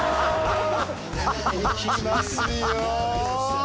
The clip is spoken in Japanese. いきますよ！